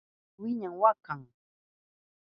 Kay wawa wiñay wakan.